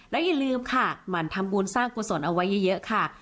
และอย่าลืมค่ะหมั่นทำบุญสร้างกุศลเอาไว้เยอะค่ะ